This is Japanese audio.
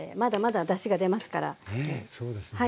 ねえそうですね。